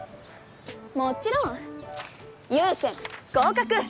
もちろん湯専合格！